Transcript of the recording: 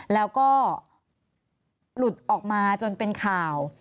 แล้วก็หลุดออกมาจนเป็นข่าว